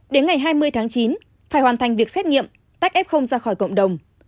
đến ngày hai mươi tháng chín phải hoàn thành việc xét nghiệm tách f ra khỏi cộng đồng